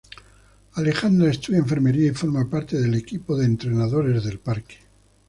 Alejandra estudia enfermería y forma parte del equipo de entrenadores del parque.